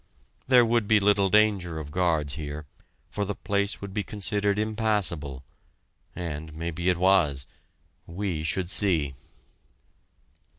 There would be little danger of guards here, for the place would be considered impassable and maybe it was we should see!